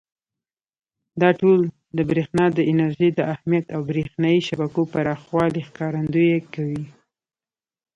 دا ټول د برېښنا د انرژۍ د اهمیت او برېښنایي شبکو پراخوالي ښکارندويي کوي.